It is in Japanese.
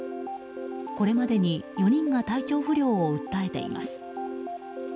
これまでに４人が体調不良を訴えています。